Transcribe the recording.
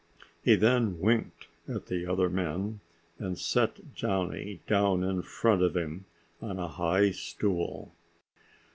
He then winked at the other men and sat Johnny down in front of him on a high stool.